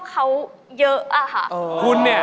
กลับไปก่อนเลยนะครับ